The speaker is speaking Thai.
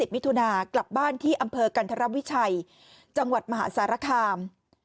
มิถุนากลับบ้านที่อำเภอกันธรวิชัยจังหวัดมหาสารคาม